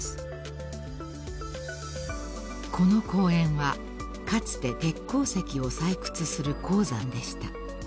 ［この公園はかつて鉄鉱石を採掘する鉱山でした］